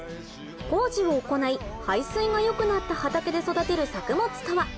工事を行い排水が良くなった畑で育てる作物とは？